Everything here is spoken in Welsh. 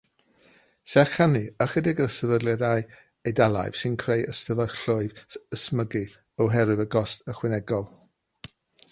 Serch hynny, ychydig o sefydliadau Eidalaidd sy'n creu ystafelloedd smygu oherwydd y gost ychwanegol.